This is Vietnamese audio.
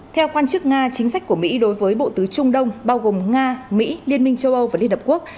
theo quan chức nga chính sách của mỹ đối với bộ tứ trung đông bao gồm nga mỹ liên minh châu âu và liên hợp quốc